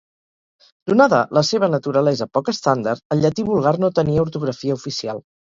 Donada la seva naturalesa poc estàndard, el llatí vulgar no tenia ortografia oficial.